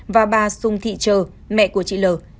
và bà sùng thị trờ mẹ của chị lờ